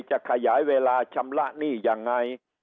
จะขยายเวลาชำระหนี้ยังไง